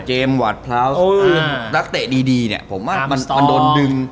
เจมส์วัทพร้าวส์นักเตะดีผมว่ามันโดนดึง